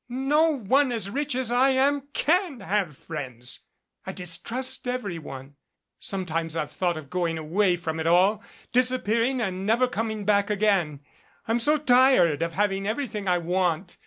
No one as rich as I am can have friends. I dis trust everyone. Sometimes I've thought of going away from it all disappearing and never coming back again. I'm so tired of having everything I want.